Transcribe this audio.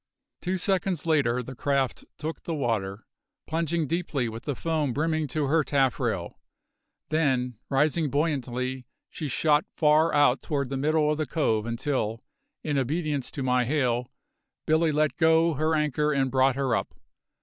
Two seconds later the craft took the water, plunging deeply with the foam brimming to her taffrail; then, rising buoyantly, she shot far out toward the middle of the cove until, in obedience to my hail, Billy let go her anchor and brought her up.